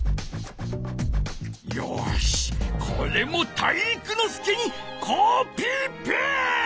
よしこれも体育ノ介にコピペ！